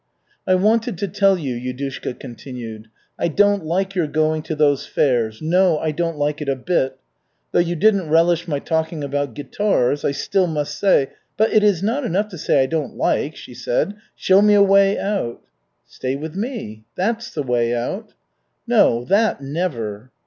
"I wanted to tell you," Yudushka continued, "I don't like your going to those fairs, no, I don't like it a bit. Though you didn't relish my talking about guitars, I still must say " "But it is not enough to say 'I don't like.' Show me a way out." "Stay with me. That's the way out." "No, that never!"